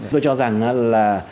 tôi cho rằng là